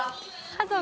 家族。